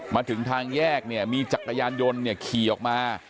มาถึงทางแยกมีจักรยานยนต์ขี่ออกมา